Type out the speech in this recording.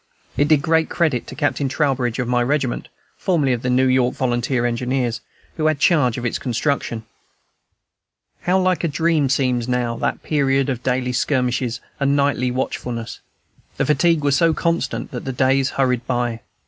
It did great credit to Captain Trowbridge, of my regiment (formerly of the New York Volunteer Engineers), who had charge of its construction. How like a dream seems now that period of daily skirmishes and nightly watchfulness! The fatigue was so constant that the days hurried by.